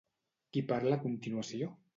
Qui parla a continuació?